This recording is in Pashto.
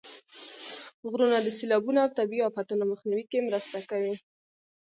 غرونه د سیلابونو او طبیعي افتونو مخنیوي کې مرسته کوي.